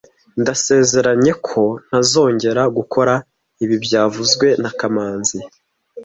Ndasezeranye ko ntazongera gukora ibi byavuzwe na kamanzi